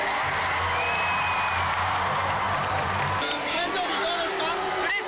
誕生日どうですか？